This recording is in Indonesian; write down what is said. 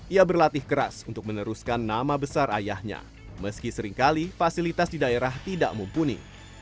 ia berlatih keras untuk meneruskan nama besar ayahnya meski seringkali fasilitas di daerah tidak mumpuni